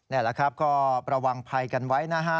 นี่แหละครับก็ระวังภัยกันไว้นะฮะ